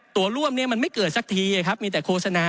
ตัวร่วมเนี่ยมันไม่เกิดสักทีนะครับ